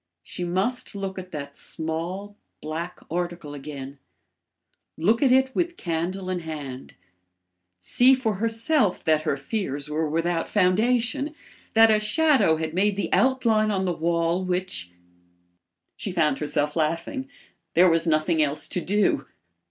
She must look at that small, black article again; look at it with candle in hand; see for herself that her fears were without foundation; that a shadow had made the outline on the wall which She found herself laughing. There was nothing else to do.